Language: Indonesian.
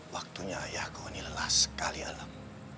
waktunya ayahku ini lelah sekali alam